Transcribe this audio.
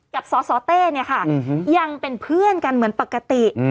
สสเต้เนี่ยค่ะยังเป็นเพื่อนกันเหมือนปกติ